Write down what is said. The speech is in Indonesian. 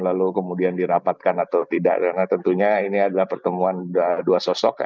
lalu kemudian dirapatkan atau tidak karena tentunya ini adalah pertemuan dua sosok